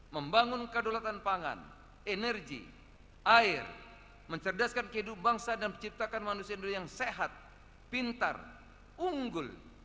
membangun kedaulatan pangan energi air mencerdaskan kehidupan bangsa dan menciptakan manusia indonesia yang sehat pintar unggul